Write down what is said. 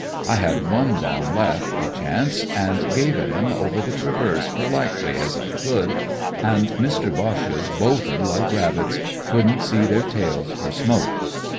I had one bomb left, be chance, an' gave it 'em over the traverse perlitely as I could, an' Mister Boches bolted like rabbits^ couldn't see their tails for smoke.